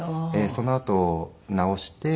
そのあと治して。